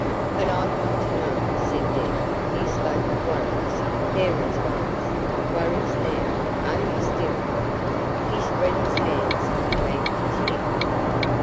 "But I want to know," said Deb. "You spoke of worries Mary's worries worries now; are you still " He spread his hands and wagged his head.